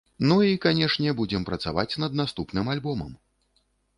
Ну і, канешне, будзем працаваць над наступным альбомам!